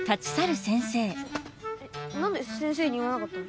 えっなんで先生に言わなかったの？